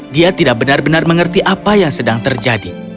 dia tidak benar benar mengerti apa yang sedang terjadi